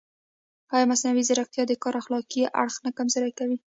ایا مصنوعي ځیرکتیا د کار اخلاقي اړخ نه کمزوری کوي؟